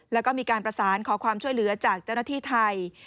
แล้วก็มีการประสานขอความช่วยเหลือจากเจ้าหน้าที่ไทย